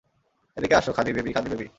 এদিকে আসো খাদি বেবি, খাদি বেবি।